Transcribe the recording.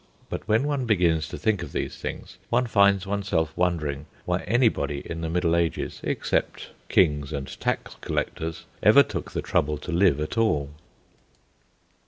But when one begins to think of these things one finds oneself wondering why anybody in the Middle Ages, except kings and tax collectors, ever took the trouble to live at all.